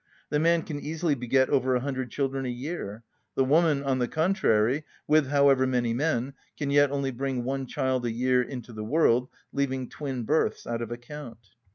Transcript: The man can easily beget over a hundred children a year; the woman, on the contrary, with however many men, can yet only bring one child a year into the world (leaving twin births out of account).